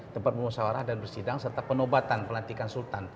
tempat bermusyawarah dan bersidang serta penobatan pelatihan sultan